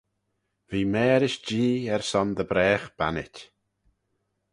V'eh mârish Jee er son dy bragh bannit.